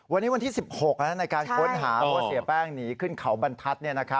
วันนี้วันที่๑๖ในการค้นหาว่าเสียแป้งหนีขึ้นเขาบรรทัศน์